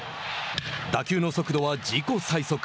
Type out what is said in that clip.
打球の速度は、自己最速。